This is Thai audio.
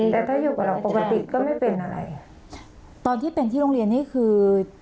แต่ถ้าอยู่กับเราปกติก็ไม่เป็นอะไรตอนที่เป็นที่โรงเรียนนี่คือ